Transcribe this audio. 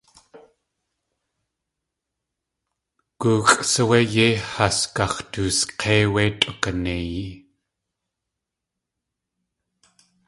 Gooxʼ sáwé yéi has gax̲dusk̲éi wé tʼukanéiyi?